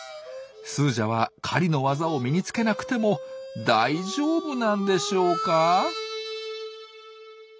スージャは狩りの技を身につけなくても大丈夫なんでしょうか？